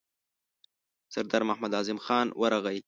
سردار محمد اعظم خان ورغی.